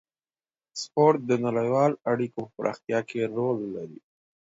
سپورت د نړیوالو اړیکو په پراختیا کې رول لري.